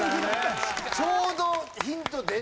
ちょうどヒント出たし。